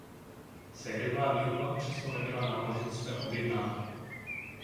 Sériová výroba přesto nebyla námořnictvem objednána.